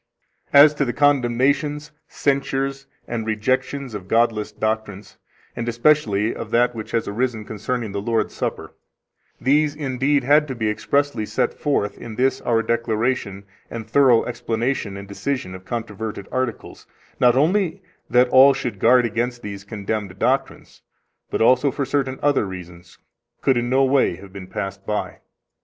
20 As to the condemnations, censures, and rejections of godless doctrines, and especially of that which has arisen concerning the Lord's Supper, these indeed had to be expressly set forth in this our declaration and thorough explanation and decision of controverted articles, not only that all should guard against these condemned doctrines, but also for certain other reasons could in no way have been passed by.